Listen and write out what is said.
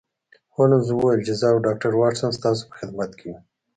هولمز وویل چې زه او ډاکټر واټسن ستاسو په خدمت کې یو